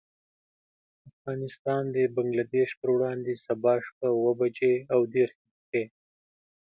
افغانستان د بنګلدېش پر وړاندې، سبا شپه اوه بجې او دېرش دقيقې.